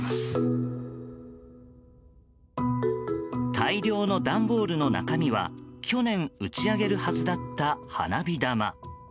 大量の段ボールの中身は去年、打ち上げるはずだった花火玉。